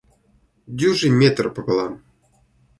Дюжий метр пополам!